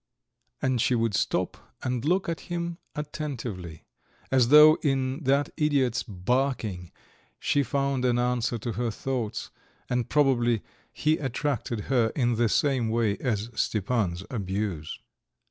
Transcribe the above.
And she would stop and look at him attentively, as though in that idiot's barking she found an answer to her thoughts, and probably he attracted her in the same way as Stepan's abuse.